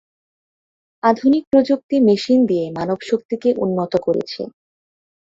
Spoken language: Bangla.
আধুনিক প্রযুক্তি মেশিন দিয়ে মানব শক্তিকে উন্নত করেছে।